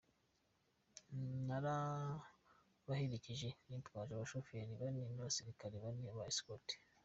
Narabaherekeje nitwaje abashoferi bane n’abasirikari bane ba escorte.